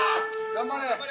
頑張れ。